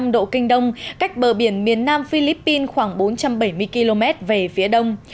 một trăm ba mươi năm độ kinh đông cách bờ biển miền nam philippines khoảng bốn trăm bảy mươi km về phía đông